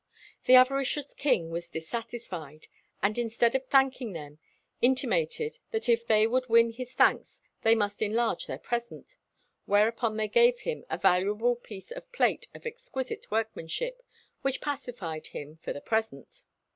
The avaricious king was dissatisfied, and, instead of thanking them, intimated that if they would win his thanks they must enlarge their present; whereupon they gave him a "valuable piece of plate of exquisite workmanship, which pacified him for the present."